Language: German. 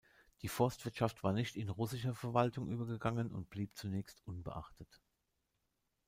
Die Forstwirtschaft war nicht in russische Verwaltung übergegangen und blieb zunächst unbeachtet.